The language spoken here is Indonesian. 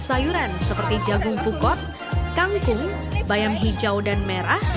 sama sotong ayam semuanya yang berbahaya